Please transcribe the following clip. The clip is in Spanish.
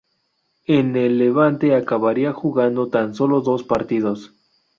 En el Levante acabaría jugando tan solo dos partidos.